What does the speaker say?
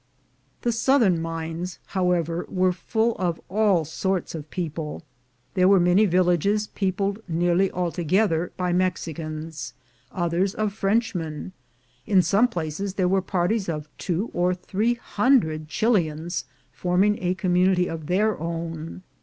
The southern mines, however, were full of all sorts of people. There were many villages peopled nearly altogether by Mexicans, others by Frenchmen ; in some places there were parties of two or three hundred Chilians forming a community of their own.